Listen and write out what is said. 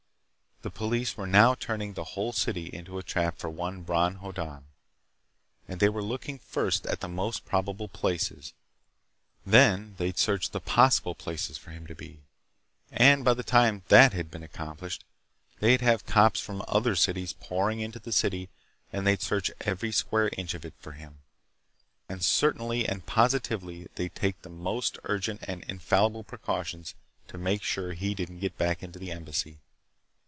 The police were now turning the whole city into a trap for one Bron Hoddan, and they were looking first at the most probable places, then they'd search the possible places for him to be, and by the time that had been accomplished they'd have cops from other cities pouring into the city and they'd search every square inch of it for him. And certainly and positively they'd take the most urgent and infallible precautions to make sure he didn't get back into the Embassy.